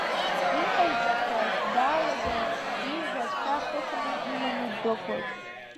Иҟаиҵахуаз, даалаган ижә ацәа ахыхны иманы ддәықәлит.